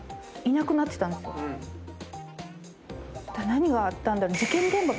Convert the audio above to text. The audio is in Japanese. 何があったんだろ。